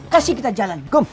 kasih kita jalan gom